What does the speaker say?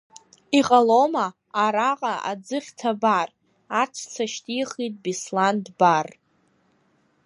Иҟалома араҟа аӡыхь ҭабар, аҵәца шьҭихит Беслан Дбар.